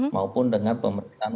maupun dengan pemeriksaan